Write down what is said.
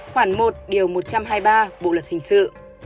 khoảng một điều một trăm hai mươi ba bộ luật hình sự